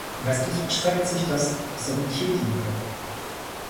Westlich erstreckt sich das Somcheti-Gebirge.